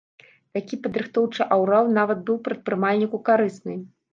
Такі падрыхтоўчы аўрал нават быў прадпрымальніку карысны.